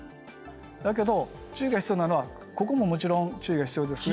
だけど注意が必要なのはここももちろん注意が必要ですが。